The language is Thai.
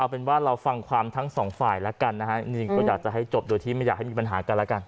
เป็นว่าเราฟังความทั้งสองฝ่ายแล้วกันนะฮะนี่ก็อยากจะให้จบโดยที่ไม่อยากให้มีปัญหากันแล้วกัน